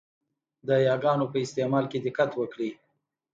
د یاګانو په استعمال کې دقت وکړئ!